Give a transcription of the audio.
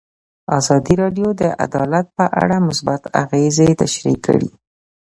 ازادي راډیو د عدالت په اړه مثبت اغېزې تشریح کړي.